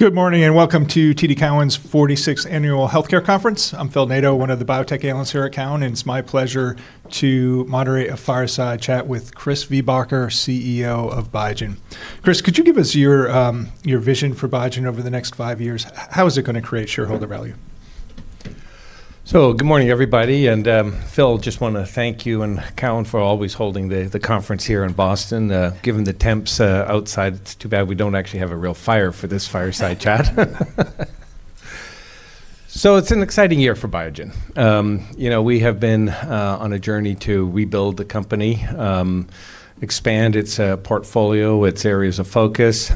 Good morning. Welcome to TD Cowen's 46th Annual Healthcare Conference. I'm Philip Nadeau, one of the biotech analysts here at Cowen. It's my pleasure to moderate a fireside chat with Christopher Viehbacher, CEO of Biogen. Chris, could you give us your vision for Biogen over the next 5 years? How is it gonna create shareholder value? Good morning, everybody. Phil, just wanna thank you and Cowen for always holding the conference here in Boston. Given the temps outside, it's too bad we don't actually have a real fire for this fireside chat. It's an exciting year for Biogen. You know, we have been on a journey to rebuild the company, expand its portfolio, its areas of focus.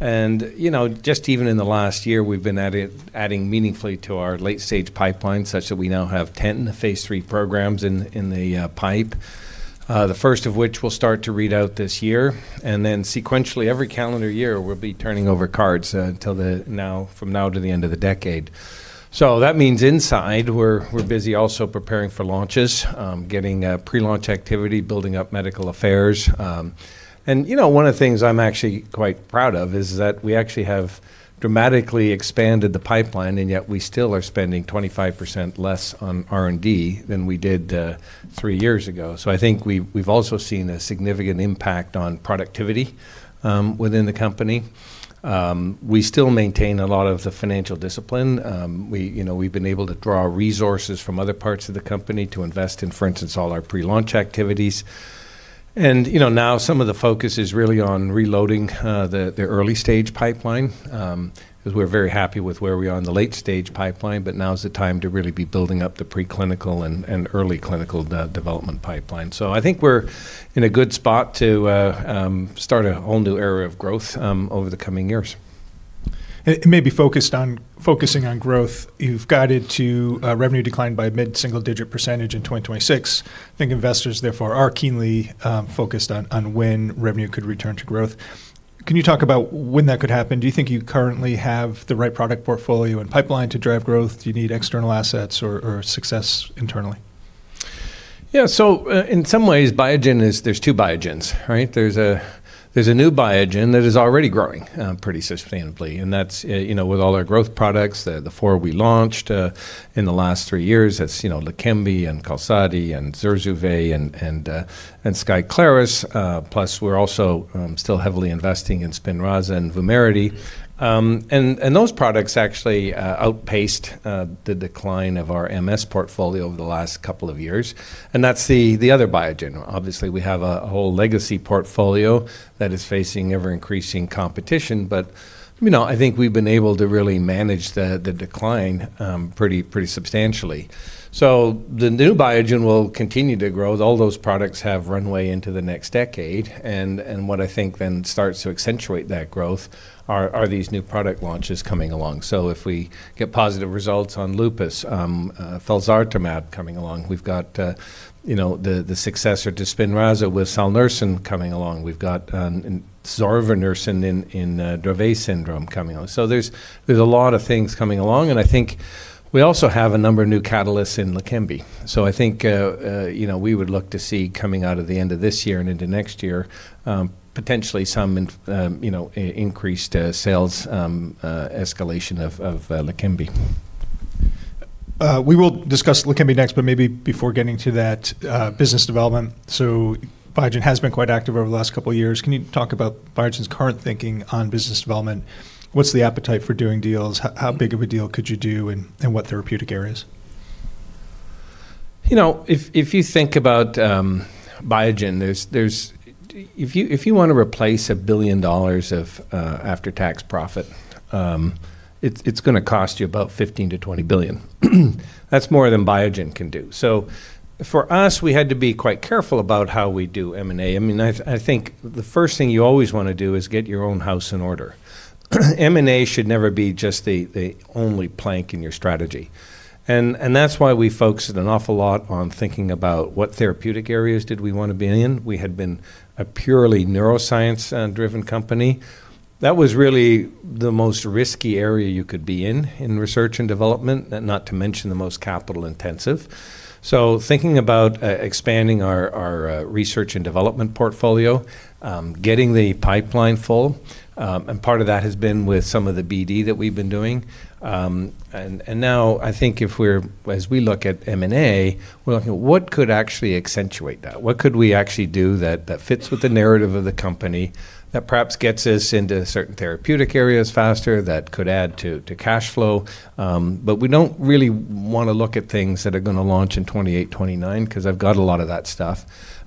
You know, just even in the last year, we've been adding meaningfully to our late-stage pipeline, such that we now have 10 phase 3 programs in the pipe, the first of which will start to read out this year. Sequentially, every calendar year, we'll be turning over cards from now to the end of the decade. That means inside, we're busy also preparing for launches, getting pre-launch activity, building up medical affairs. You know, one of the things I'm actually quite proud of is that we actually have dramatically expanded the pipeline, and yet we still are spending 25% less on R&D than we did three years ago. I think we've also seen a significant impact on productivity within the company. We still maintain a lot of the financial discipline. We, you know, we've been able to draw resources from other parts of the company to invest in, for instance, all our pre-launch activities. You know, now some of the focus is really on reloading the early-stage pipeline, 'cause we're very happy with where we are in the late-stage pipeline, but now is the time to really be building up the pre-clinical and early clinical development pipeline. I think we're in a good spot to start a whole new era of growth over the coming years. It may be focused on focusing on growth. You've guided to a revenue decline by mid-single digit % in 2026. I think investors, therefore, are keenly focused on when revenue could return to growth. Can you talk about when that could happen? Do you think you currently have the right product portfolio and pipeline to drive growth? Do you need external assets or success internally? Yeah. So in some ways, Biogen is there's 2 Biogens, right? There's a, there's a new Biogen that is already growing, pretty substantially, and that's, you know, with all our growth products, the 4 we launched in the last 3 years. That's, you know, Leqembi and QALSODY and ZURZUVAE and SKYCLARYS. Plus we're also still heavily investing in SPINRAZA and VUMERITY. And those products actually outpaced the decline of our MS portfolio over the last couple of years, and that's the other Biogen. Obviously, we have a whole legacy portfolio that is facing ever-increasing competition, but, you know, I think we've been able to really manage the decline pretty substantially. The new Biogen will continue to grow. All those products have runway into the next decade, and what I think then starts to accentuate that growth are these new product launches coming along. If we get positive results on lupus, felzartamab coming along, we've got, you know, the successor to SPINRAZA with salanersen coming along. We've got zorevunersen in Dravet syndrome coming on. There's a lot of things coming along, and I think we also have a number of new catalysts in Leqembi. I think, you know, we would look to see coming out of the end of this year and into next year, potentially some in, you know, increased sales escalation of Leqembi. We will discuss Leqembi next, maybe before getting to that, business development. Biogen has been quite active over the last couple of years. Can you talk about Biogen's current thinking on business development? What's the appetite for doing deals? How big of a deal could you do and what therapeutic areas? You know, if you think about Biogen, if you wanna replace $1 billion of after-tax profit, it's gonna cost you about $15 billion-$20 billion. That's more than Biogen can do. For us, we had to be quite careful about how we do M&A. I mean, I think the first thing you always wanna do is get your own house in order. M&A should never be just the only plank in your strategy. That's why we focused an awful lot on thinking about what therapeutic areas did we wanna be in. We had been a purely neuroscience driven company. That was really the most risky area you could be in in research and development, and not to mention the most capital intensive. Thinking about expanding our R&D portfolio, getting the pipeline full, and part of that has been with some of the BD that we've been doing. Now I think as we look at M&A, we're looking at what could actually accentuate that? What could we actually do that fits with the narrative of the company, that perhaps gets us into certain therapeutic areas faster, that could add to cash flow? We don't really wanna look at things that are gonna launch in 2028, 2029, 'cause I've got a lot of that stuff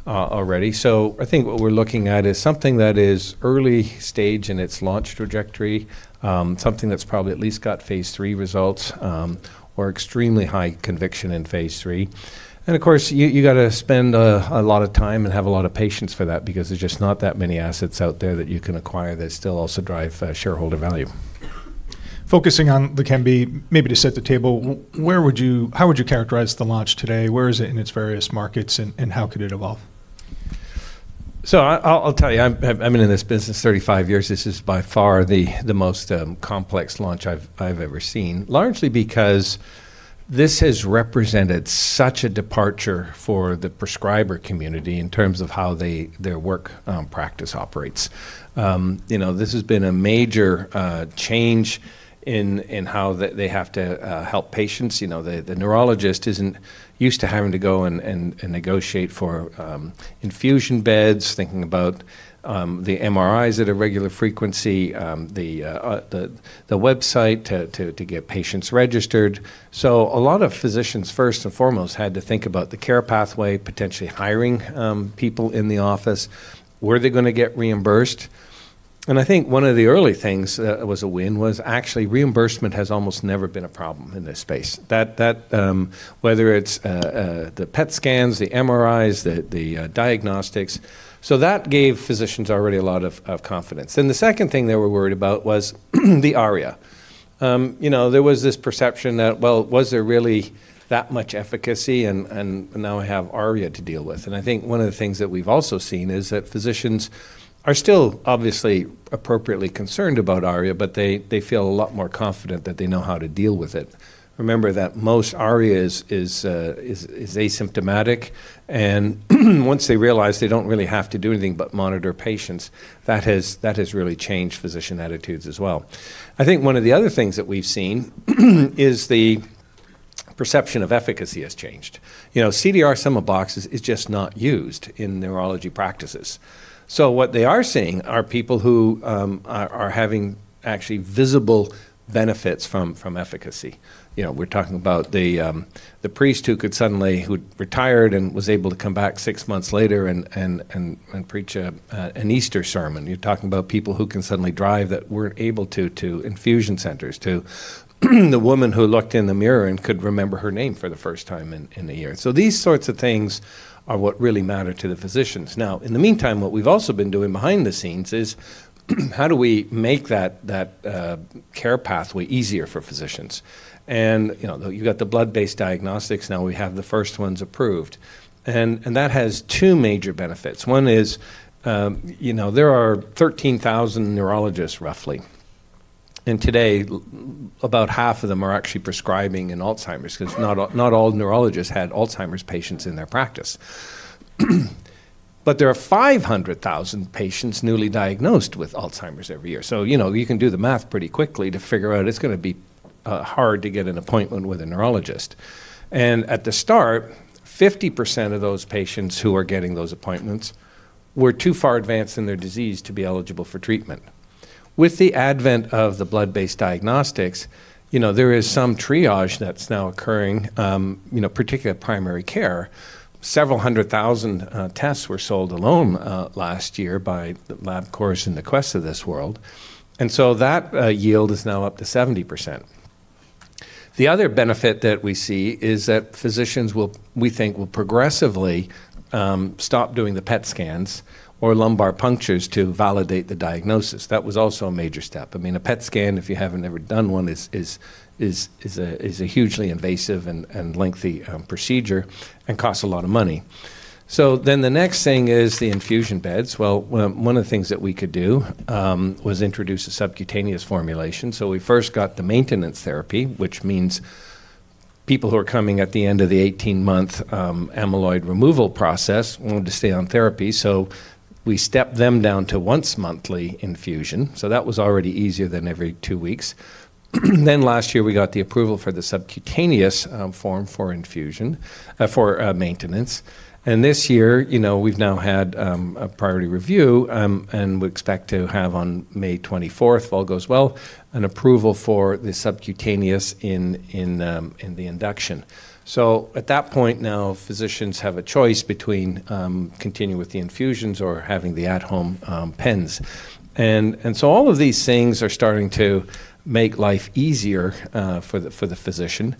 already. I think what we're looking at is something that is early stage in its launch trajectory, something that's probably at least got phase 3 results, or extremely high conviction in phase 3. Of course, you gotta spend a lot of time and have a lot of patience for that because there's just not that many assets out there that you can acquire that still also drive shareholder value. Focusing on Leqembi, maybe to set the table, how would you characterize the launch today? Where is it in its various markets, and how could it evolve? I'll tell you, I've been in this business 35 years. This is by far the most complex launch I've ever seen, largely because this has represented such a departure for the prescriber community in terms of how they, their work practice operates. You know, this has been a major change in how they have to help patients. You know, the neurologist isn't used to having to go and negotiate for infusion beds, thinking about the MRIs at a regular frequency, the website to get patients registered. So a lot of physicians, first and foremost, had to think about the care pathway, potentially hiring people in the office. Were they gonna get reimbursed? I think one of the early things that was a win was actually reimbursement has almost never been a problem in this space. That, whether it's the PET scans, the MRIs, the diagnostics. That gave physicians already a lot of confidence. The second thing they were worried about was the ARIA. You know, there was this perception that, well, was there really that much efficacy and now I have ARIA to deal with? I think one of the things that we've also seen is that physicians are still obviously appropriately concerned about ARIA, but they feel a lot more confident that they know how to deal with it. Remember that most ARIA is asymptomatic, once they realize they don't really have to do anything but monitor patients, that has really changed physician attitudes as well. I think one of the other things that we've seen is the perception of efficacy has changed. You know, CDR Sum of Boxes is just not used in neurology practices. What they are seeing are people who are having actually visible benefits from efficacy. You know, we're talking about the priest who'd retired and was able to come back 6 months later and preach an Easter sermon. You're talking about people who can suddenly drive that weren't able to infusion centers, to the woman who looked in the mirror and could remember her name for the first time in a year. These sorts of things are what really matter to the physicians. In the meantime, what we've also been doing behind the scenes is how do we make that care pathway easier for physicians? You know, you've got the blood-based diagnostics, now we have the first ones approved. That has two major benefits. One is, you know, there are 13,000 neurologists roughly, and today about half of them are actually prescribing in Alzheimer's because not all neurologists had Alzheimer's patients in their practice. There are 500,000 patients newly diagnosed with Alzheimer's every year. You know, you can do the math pretty quickly to figure out it's gonna be hard to get an appointment with a neurologist. At the start, 50% of those patients who are getting those appointments were too far advanced in their disease to be eligible for treatment. With the advent of the blood-based diagnostics, you know, there is some triage that's now occurring, you know, particularly at primary care. Several hundred thousand tests were sold alone last year by the Labcorp and the Quest of this world. So that yield is now up to 70%. The other benefit that we see is that physicians will, we think, will progressively stop doing the PET scans or lumbar punctures to validate the diagnosis. That was also a major step. I mean, a PET scan, if you haven't ever done one, is a hugely invasive and lengthy procedure and costs a lot of money. The next thing is the infusion beds. Well, one of the things that we could do was introduce a subcutaneous formulation. We first got the maintenance therapy, which means people who are coming at the end of the 18-month amyloid removal process wanted to stay on therapy. We stepped them down to once monthly infusion, so that was already easier than every 2 weeks. Last year, we got the approval for the subcutaneous form for infusion for maintenance. This year, you know, we've now had a priority review, and we expect to have on May 24th, if all goes well, an approval for the subcutaneous in the induction. At that point now, physicians have a choice between continuing with the infusions or having the at-home pens. So all of these things are starting to make life easier for the physician.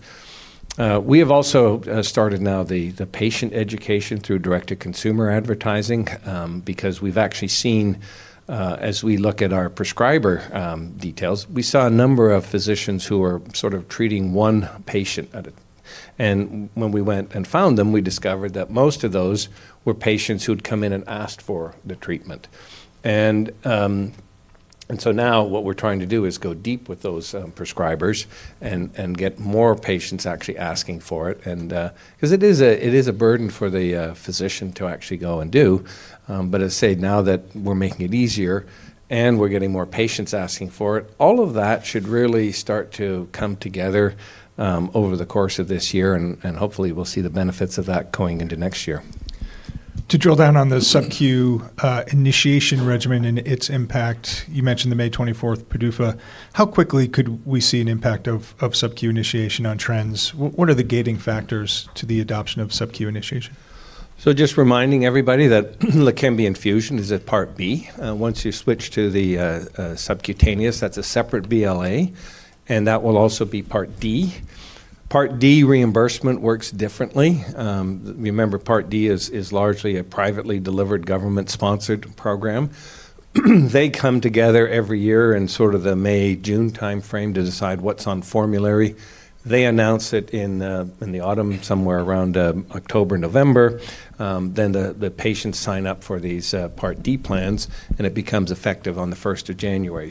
We have also started now the patient education through direct-to-consumer advertising because we've actually seen as we look at our prescriber details, we saw a number of physicians who are sort of treating one patient. When we went and found them, we discovered that most of those were patients who'd come in and asked for the treatment. So now what we're trying to do is go deep with those prescribers and get more patients actually asking for it. 'Cause it is a burden for the physician to actually go and do. As I said, now that we're making it easier and we're getting more patients asking for it, all of that should really start to come together over the course of this year, and hopefully we'll see the benefits of that going into next year. To drill down on the subQ initiation regimen and its impact, you mentioned the May 24th PDUFA. How quickly could we see an impact of subQ initiation on trends? What are the gating factors to the adoption of subQ initiation? Just reminding everybody that Leqembi infusion is at Part B. Once you switch to the subcutaneous, that's a separate BLA, and that will also be Part D. Part D reimbursement works differently. Remember Part D is largely a privately delivered government-sponsored program. They come together every year in sort of the May, June timeframe to decide what's on formulary. They announce it in the autumn, somewhere around October, November. Then the patients sign up for these Part D plans, and it becomes effective on the first of January.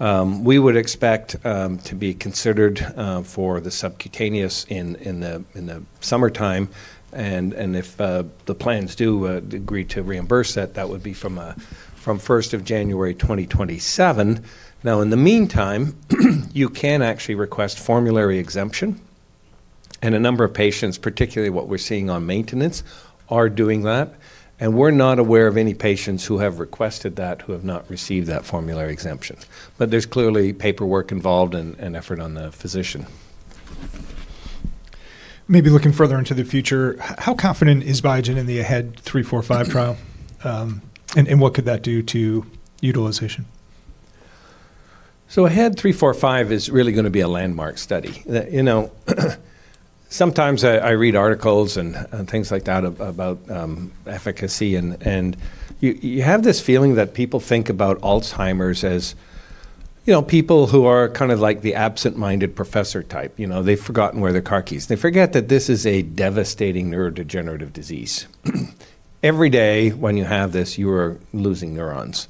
We would expect to be considered for the subcutaneous in the summertime, and if the plans do agree to reimburse that would be from first of January 2027. Now, in the meantime, you can actually request formulary exemption. A number of patients, particularly what we're seeing on maintenance, are doing that. We're not aware of any patients who have requested that who have not received that formulary exemption. There's clearly paperwork involved and effort on the physician. Maybe looking further into the future, how confident is Biogen in the AHEAD 3-45 trial? What could that do to utilization? AHEAD 3-45 is really gonna be a landmark study. You know, sometimes I read articles and things like that about efficacy and you have this feeling that people think about Alzheimer's as, you know, people who are kind of like the absent-minded professor type. You know, they've forgotten where their car keys. They forget that this is a devastating neurodegenerative disease. Every day when you have this, you are losing neurons.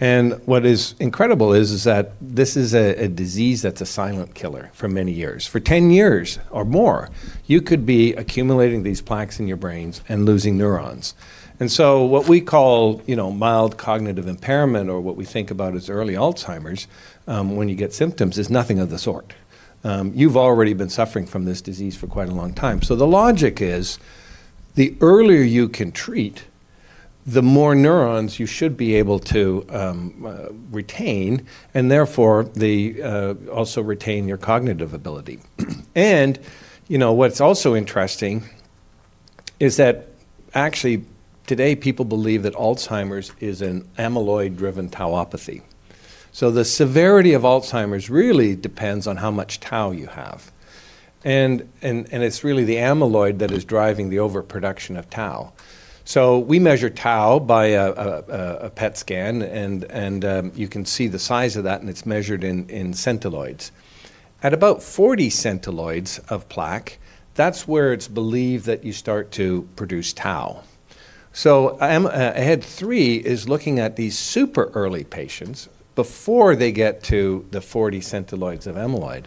What is incredible is that this is a disease that's a silent killer for many years. For 10 years or more, you could be accumulating these plaques in your brains and losing neurons. What we call, you know, mild cognitive impairment or what we think about as early Alzheimer's, when you get symptoms, is nothing of the sort. You've already been suffering from this disease for quite a long time. The logic is, the earlier you can treat, the more neurons you should be able to retain and therefore also retain your cognitive ability. You know, what's also interesting is that actually today people believe that Alzheimer's is an amyloid-driven tauopathy. The severity of Alzheimer's really depends on how much tau you have. It's really the amyloid that is driving the overproduction of tau. We measure tau by a PET scan and you can see the size of that, and it's measured in centiloids. At about 40 centiloids of plaque, that's where it's believed that you start to produce tau. AHEAD 3 is looking at these super early patients before they get to the 40 centiloids of amyloid.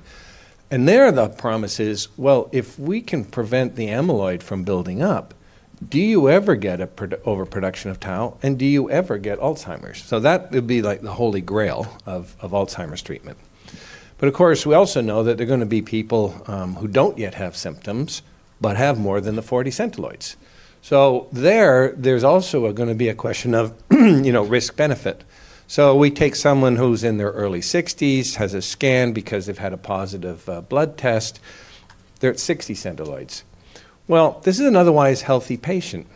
There the promise is, well, if we can prevent the amyloid from building up, do you ever get overproduction of tau, and do you ever get Alzheimer's? That would be like the holy grail of Alzheimer's treatment. Of course, we also know that there are gonna be people who don't yet have symptoms but have more than the 40 centiloids. There, there's also gonna be a question of, you know, risk-benefit. We take someone who's in their early 60s, has a scan because they've had a positive blood test. They're at 60 centiloids. Well, this is an otherwise healthy patient.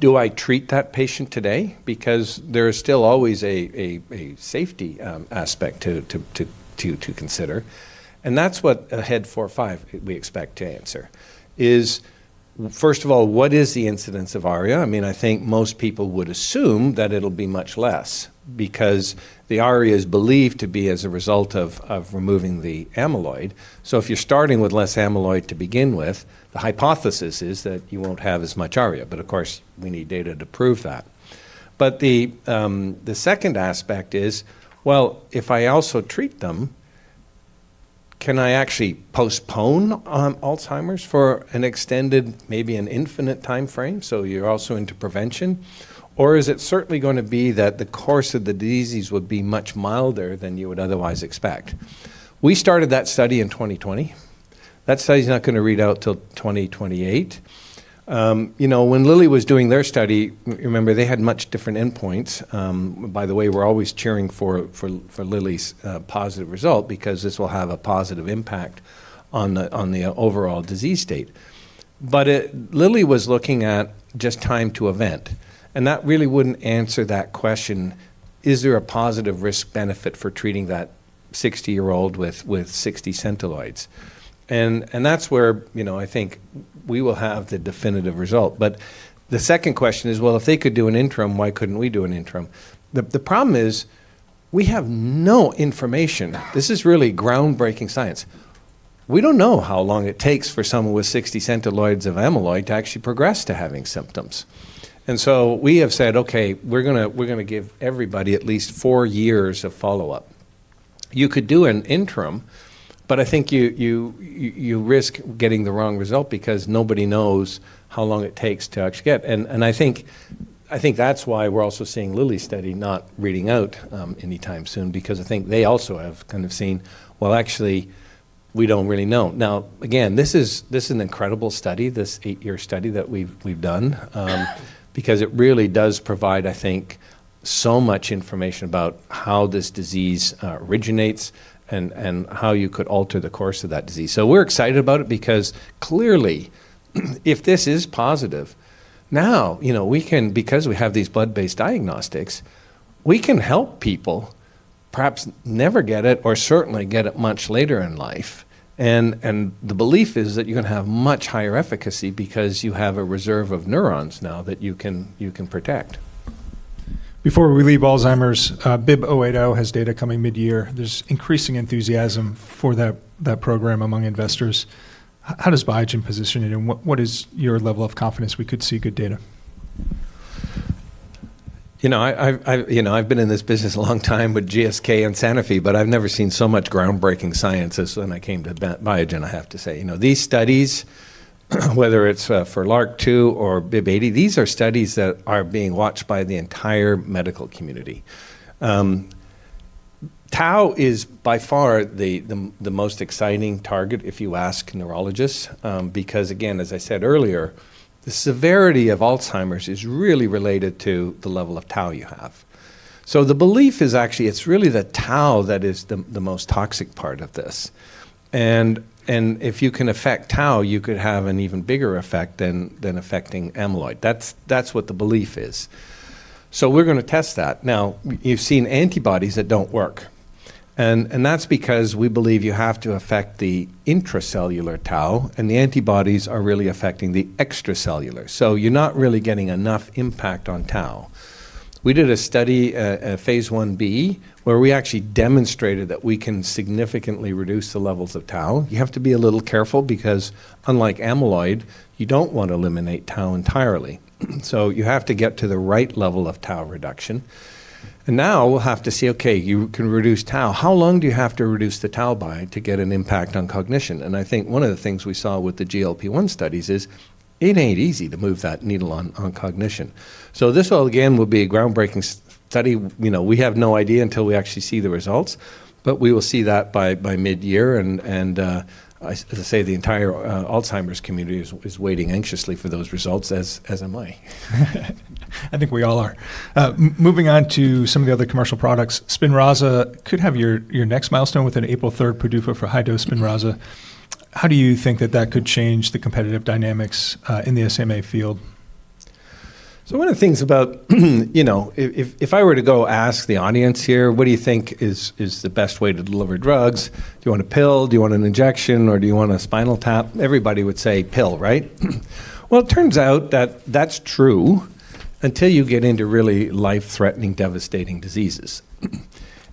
Do I treat that patient today? There is still always a safety aspect to consider. That's what AHEAD 3-45 we expect to answer, is first of all, what is the incidence of ARIA? I mean, I think most people would assume that it'll be much less because the ARIA is believed to be as a result of removing the amyloid. If you're starting with less amyloid to begin with, the hypothesis is that you won't have as much ARIA. Of course, we need data to prove that. The second aspect is, well, if I also treat them, can I actually postpone Alzheimer's for an extended, maybe an infinite timeframe, so you're also into prevention? Is it certainly gonna be that the course of the disease would be much milder than you would otherwise expect? We started that study in 2020. That study's not gonna read out till 2028. You know, when Lilly was doing their study, remember they had much different endpoints. By the way, we're always cheering for Lilly's positive result because this will have a positive impact on the overall disease state. Lilly was looking at just time to event, and that really wouldn't answer that question, is there a positive risk-benefit for treating that 60-year-old with 60 Centiloids? That's where, you know, I think we will have the definitive result. The second question is, well, if they could do an interim, why couldn't we do an interim? The problem is we have no information. This is really groundbreaking science. We don't know how long it takes for someone with 60 centiloids of amyloid to actually progress to having symptoms. We have said, "Okay, we're gonna give everybody at least 4 years of follow-up." You could do an interim, but I think you risk getting the wrong result because nobody knows how long it takes to actually get. I think that's why we're also seeing Lilly's study not reading out anytime soon because I think they also have kind of seen, well, actually we don't really know. Again, this is an incredible study, this 8-year study that we've done, because it really does provide I think so much information about how this disease originates and how you could alter the course of that disease. We're excited about it because clearly, if this is positive, now, you know, we can, because we have these blood-based diagnostics, we can help people perhaps never get it or certainly get it much later in life. The belief is that you're gonna have much higher efficacy because you have a reserve of neurons now that you can protect. Before we leave Alzheimer's, BIIB080 has data coming midyear. There's increasing enthusiasm for that program among investors. How does Biogen position it, and what is your level of confidence we could see good data? You know, I've been in this business a long time with GSK and Sanofi, but I've never seen so much groundbreaking science as when I came to Biogen, I have to say. You know, these studies, whether it's for LRRK2 or BIIB080, these are studies that are being watched by the entire medical community. Tau is by far the most exciting target if you ask neurologists, because again, as I said earlier, the severity of Alzheimer's is really related to the level of tau you have. The belief is actually it's really the tau that is the most toxic part of this. If you can affect tau, you could have an even bigger effect than affecting amyloid. That's what the belief is. We're gonna test that. You've seen antibodies that don't work, and that's because we believe you have to affect the intracellular tau, and the antibodies are really affecting the extracellular. You're not really getting enough impact on tau. We did a study, a phase 1B, where we actually demonstrated that we can significantly reduce the levels of tau. You have to be a little careful because unlike amyloid, you don't want to eliminate tau entirely. You have to get to the right level of tau reduction. Now we'll have to see, okay, you can reduce tau. How long do you have to reduce the tau by to get an impact on cognition? I think one of the things we saw with the GLP-1 studies is it ain't easy to move that needle on cognition. This all again, will be a groundbreaking study. You know, we have no idea until we actually see the results, but we will see that by midyear and, as I say, the entire Alzheimer's community is waiting anxiously for those results as am I. I think we all are. Moving on to some of the other commercial products. SPINRAZA could have your next milestone with an April 3rd PDUFA for high-dose SPINRAZA. How do you think that could change the competitive dynamics in the SMA field? One of the things about, you know, if I were to go ask the audience here, what do you think is the best way to deliver drugs? Do you want a pill? Do you want an injection, or do you want a spinal tap? Everybody would say pill, right? It turns out that that's true until you get into really life-threatening, devastating diseases.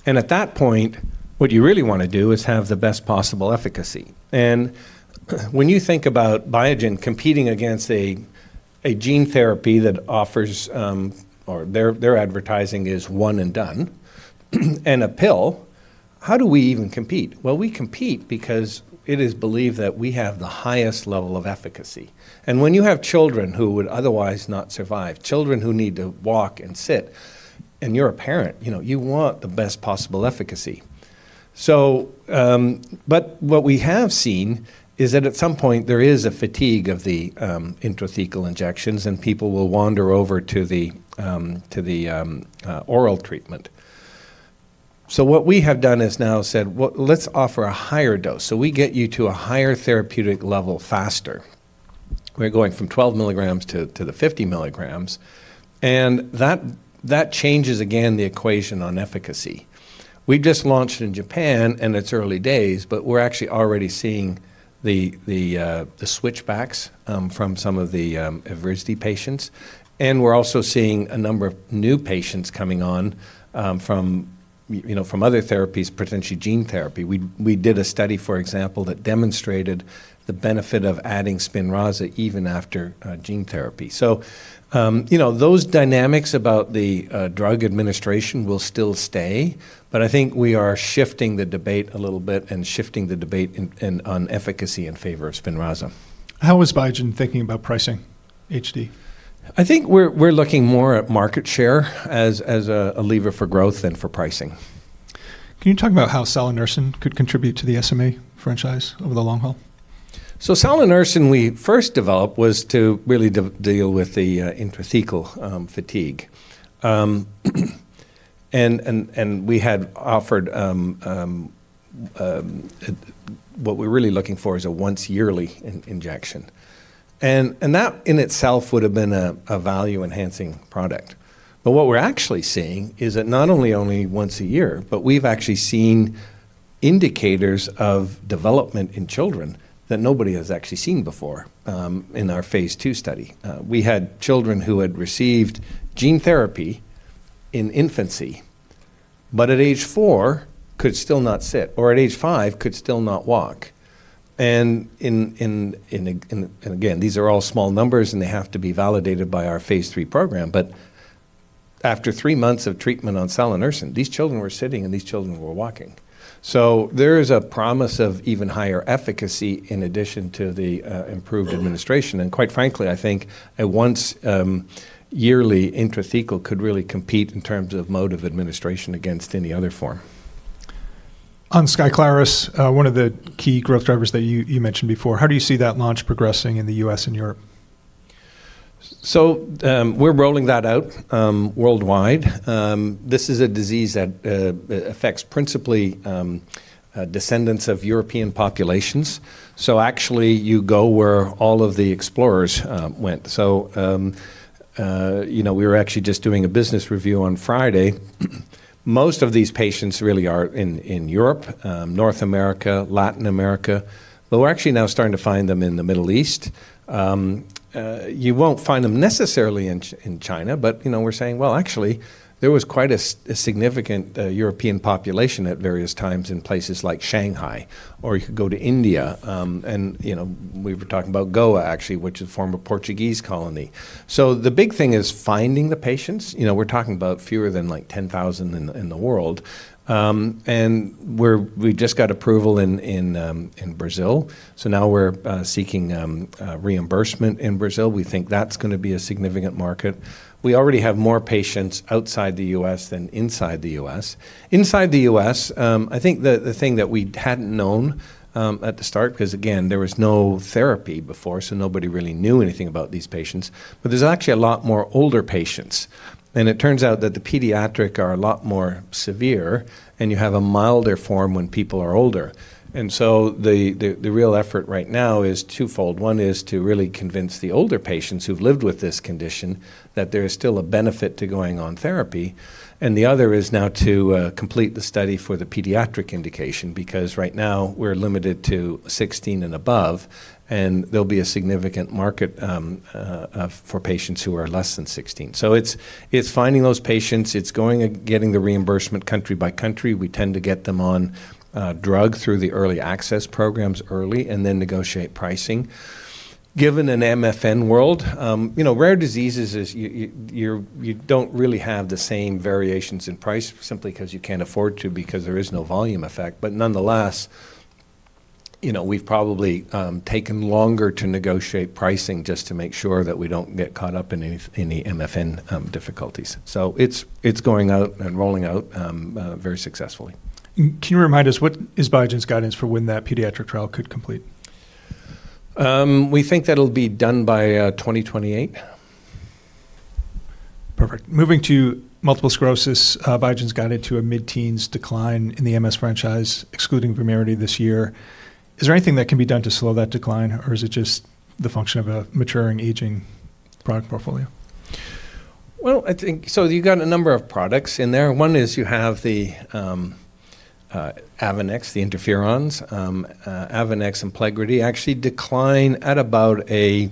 At that point, what you really wanna do is have the best possible efficacy. When you think about Biogen competing against a gene therapy that offers, Or their advertising is one and done and a pill, how do we even compete? We compete because it is believed that we have the highest level of efficacy. When you have children who would otherwise not survive, children who need to walk and sit, and you're a parent, you know, you want the best possible efficacy. But what we have seen is that at some point there is a fatigue of the intrathecal injections, and people will wander over to the oral treatment. What we have done is now said, "Well, let's offer a higher dose, so we get you to a higher therapeutic level faster." We're going from 12 milligrams to the 50 milligrams, and that changes again the equation on efficacy. We just launched in Japan, it's early days, but we're actually already seeing the switchbacks from some of the Evrysdi patients, and we're also seeing a number of new patients coming on from, you know, from other therapies, potentially gene therapy. We did a study, for example, that demonstrated the benefit of adding SPINRAZA even after gene therapy. You know, those dynamics about the drug administration will still stay, but I think we are shifting the debate a little bit and shifting the debate in on efficacy in favor of SPINRAZA. How is Biogen thinking about pricing HD? I think we're looking more at market share as a lever for growth than for pricing. Can you talk about how salanersen could contribute to the SMA franchise over the long haul? Salanersen we first developed was to really deal with the intrathecal fatigue. We had offered what we're really looking for is a once yearly injection. That in itself would have been a value-enhancing product. What we're actually seeing is that not only once a year, but we've actually seen indicators of development in children that nobody has actually seen before in our phase two study. We had children who had received gene therapy in infancy, but at age four could still not sit, or at age five could still not walk. Again, these are all small numbers, and they have to be validated by our phase three program. After three months of treatment on Salanersen, these children were sitting, and these children were walking. There is a promise of even higher efficacy in addition to the improved administration. Quite frankly, I think a once yearly intrathecal could really compete in terms of mode of administration against any other form. On SKYCLARYS, one of the key growth drivers that you mentioned before, how do you see that launch progressing in the U.S. and Europe? We're rolling that out worldwide. This is a disease that affects principally descendants of European populations. Actually, you go where all of the explorers went. You know, we were actually just doing a business review on Friday. Most of these patients really are in Europe, North America, Latin America, but we're actually now starting to find them in the Middle East. You won't find them necessarily in China, but, you know, we're saying, well, actually, there was quite a significant European population at various times in places like Shanghai, or you could go to India, and, you know, we were talking about Goa, actually, which is a former Portuguese colony. The big thing is finding the patients. You know, we're talking about fewer than, like, 10,000 in the world. We just got approval in Brazil, so now we're seeking reimbursement in Brazil. We think that's gonna be a significant market. We already have more patients outside the U.S. than inside the U.S. Inside the U.S., I think the thing that we hadn't known at the start, because again, there was no therapy before, so nobody really knew anything about these patients, but there's actually a lot more older patients. It turns out that the pediatric are a lot more severe, and you have a milder form when people are older. The real effort right now is twofold. One is to really convince the older patients who've lived with this condition that there is still a benefit to going on therapy, and the other is now to complete the study for the pediatric indication, because right now we're limited to 16 and above, and there'll be a significant market for patients who are less than 16. It's finding those patients. It's going and getting the reimbursement country by country. We tend to get them on a drug through the early access programs early and then negotiate pricing. Given an MFN world, you know, rare diseases is you're, you don't really have the same variations in price simply 'cause you can't afford to because there is no volume effect. You know, we've probably taken longer to negotiate pricing just to make sure that we don't get caught up in any MFN difficulties. It's going out and rolling out very successfully. Can you remind us what is Biogen's guidance for when that pediatric trial could complete? We think that'll be done by 2028. Perfect. Moving to multiple sclerosis, Biogen's guided to a mid-teens decline in the MS franchise, excluding Vumerity this year. Is there anything that can be done to slow that decline, or is it just the function of a maturing, aging product portfolio? Well, I think you've got a number of products in there. One is you have the AVONEX, the interferons. AVONEX and PLEGRIDY actually decline at about a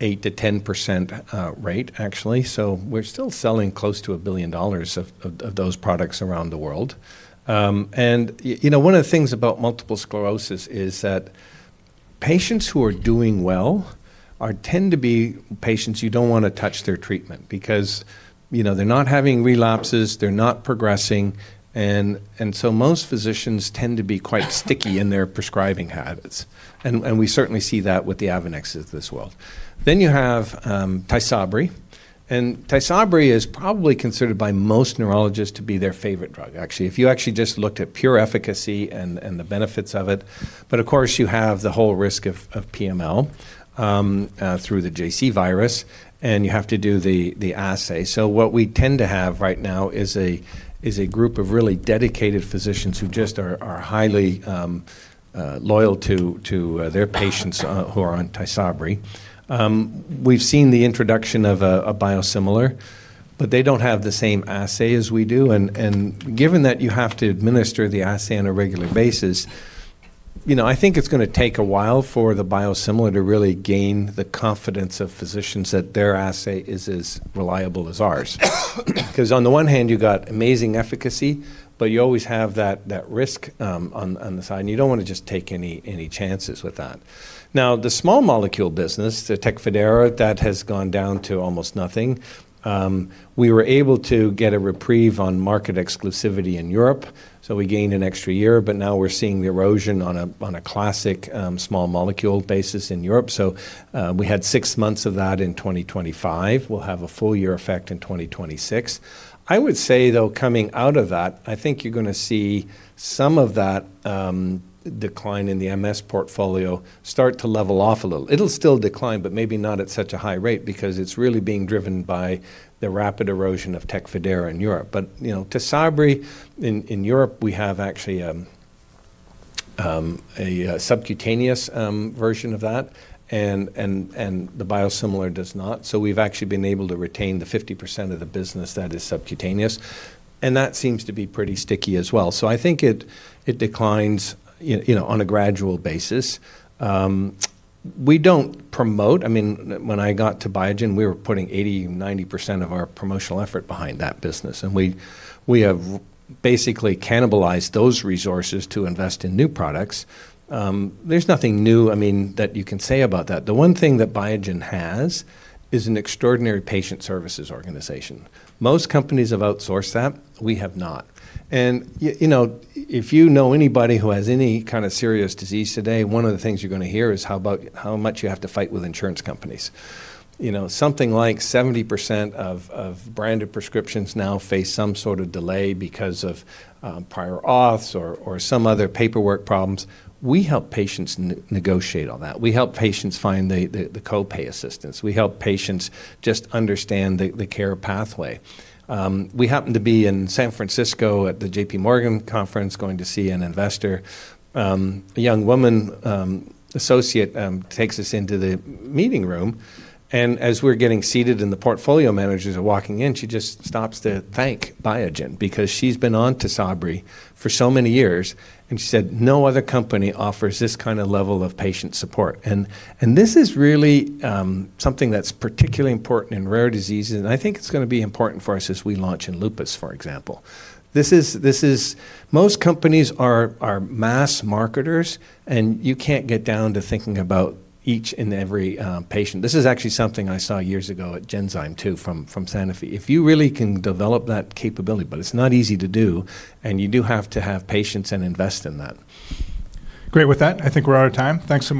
8%-10% rate, actually. We're still selling close to $1 billion of those products around the world. You know, one of the things about multiple sclerosis is that patients who are doing well tend to be patients you don't wanna touch their treatment because, you know, they're not having relapses, they're not progressing, and most physicians tend to be quite sticky in their prescribing habits. We certainly see that with the AVONEXes as well. You have TYSABRI is probably considered by most neurologists to be their favorite drug, actually, if you actually just looked at pure efficacy and the benefits of it. Of course, you have the whole risk of PML through the JC virus, and you have to do the assay. What we tend to have right now is a group of really dedicated physicians who just are highly loyal to their patients who are on TYSABRI. We've seen the introduction of a biosimilar, but they don't have the same assay as we do. Given that you have to administer the assay on a regular basis, you know, I think it's gonna take a while for the biosimilar to really gain the confidence of physicians that their assay is as reliable as ours. 'Cause on the one hand, you got amazing efficacy, but you always have that risk on the side, and you don't wanna just take any chances with that. The small molecule business, the TECFIDERA, that has gone down to almost nothing. We were able to get a reprieve on market exclusivity in Europe, so we gained an extra year, but now we're seeing the erosion on a classic small molecule basis in Europe. We had six months of that in 2025. We'll have a full year effect in 2026. I would say, though, coming out of that, I think you're gonna see some of that decline in the MS portfolio start to level off a little. It'll still decline, but maybe not at such a high rate because it's really being driven by the rapid erosion of TECFIDERA in Europe. You know, TYSABRI in Europe, we have actually a subcutaneous version of that and the biosimilar does not. We've actually been able to retain the 50% of the business that is subcutaneous, and that seems to be pretty sticky as well. I think it declines, you know, on a gradual basis. We don't promote... I mean, when I got to Biogen, we were putting 80%, 90% of our promotional effort behind that business. We have basically cannibalized those resources to invest in new products. There's nothing new, I mean, that you can say about that. The one thing that Biogen has is an extraordinary patient services organization. Most companies have outsourced that. We have not. You know, if you know anybody who has any kind of serious disease today, one of the things you're gonna hear is how about how much you have to fight with insurance companies. You know, something like 70% of branded prescriptions now face some sort of delay because of prior auths or some other paperwork problems. We help patients negotiate all that. We help patients find the co-pay assistance. We help patients just understand the care pathway. We happen to be in San Francisco at the JPMorgan conference, going to see an investor. A young woman, associate, takes us into the meeting room, and as we're getting seated and the portfolio managers are walking in, she just stops to thank Biogen because she's been on TYSABRI for so many years and she said, "No other company offers this kind of level of patient support." This is really something that's particularly important in rare diseases, and I think it's gonna be important for us as we launch in lupus, for example. This is Most companies are mass marketers, and you can't get down to thinking about each and every patient. This is actually something I saw years ago at Genzyme too from Sanofi. If you really can develop that capability, but it's not easy to do, and you do have to have patience and invest in that. Great. With that, I think we're out of time. Thanks a lot.